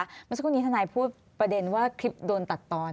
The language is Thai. เมื่อสักครู่นี้ทนายพูดประเด็นว่าคลิปโดนตัดตอน